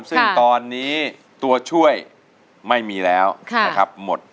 ซึ่งตอนนี้ตัวช่วยไม่มีแล้วนะครับหมด